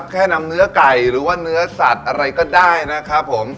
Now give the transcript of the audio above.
แค่นำเนื้อไก่หรือว่าเนื้อสัตว์อะไรก็ได้นะครับผม